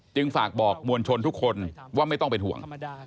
ฝากบอกมวลชนทุกคนว่าไม่ต้องเป็นห่วง